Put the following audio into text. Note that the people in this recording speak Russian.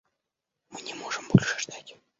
Мы не можем больше ждать.